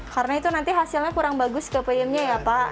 karena itu nanti hasilnya kurang bagus ke puyemnya ya pak